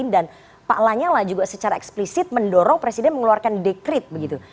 dan pak lanyala juga secara eksplisit mendorong presiden mengeluarkan dekret begitu